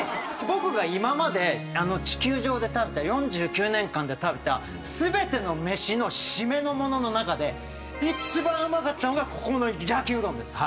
僕が今まで地球上で食べた４９年間で食べた全てのメシのシメのものの中で一番うまかったのがここの焼きうどんです。